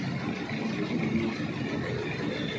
阿伯你想去邊